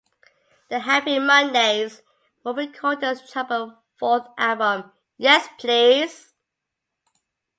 The Happy Mondays were recording their troubled fourth album Yes Please!